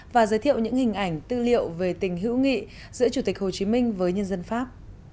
và giới thiệu những hình ảnh tư liệu về tình hữu nghị giữa chủ tịch hồ chí minh với nhân dân pháp